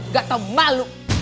gak tau malu